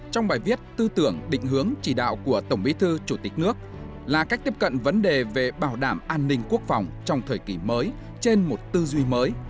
trong bài viết tư tưởng định hướng chỉ đạo của tổng bí thư chủ tịch nước là cách tiếp cận vấn đề về bảo đảm an ninh quốc phòng trong thời kỳ mới trên một tư duy mới